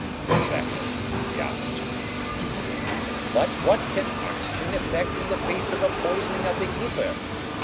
"Exactly. The oxygen." "But what can oxygen effect in the face of a poisoning of the ether?